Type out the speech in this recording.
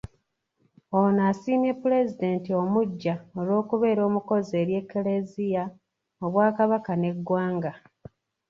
Ono asiimye Pulezidenti omuggya olw’okubeera omukozi eri eklezia, Obwakabaka n’eggwanga.